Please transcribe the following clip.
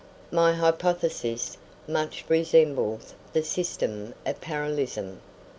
My hypothesis much resembles the system of parallelism.